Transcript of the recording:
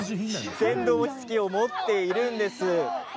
電動餅つき機を持っているんです。